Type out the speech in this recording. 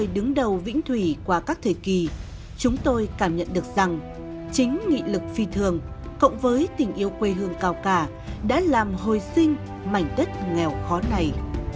đứng đầu vĩnh thủy qua các thời kỳ chúng tôi cảm nhận được rằng chính nghị lực phi thường cộng với tình yêu quê hương cao cả đã làm hồi sinh mảnh đất nghèo khó này